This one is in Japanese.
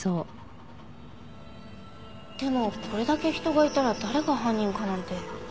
でもこれだけ人がいたら誰が犯人かなんて。